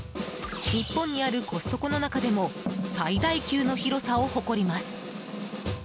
日本にあるコストコの中でも最大級の広さを誇ります。